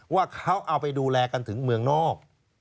ว่าเขาเอาไปดูแลกันถึงเมืองนอก